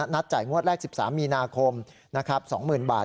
นัดจ่ายงวดแรก๑๓มีนาคมนะครับ๒๐๐๐๐บาท